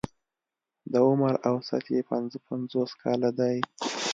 د عمر اوسط يې پنځه پنځوس کاله دی.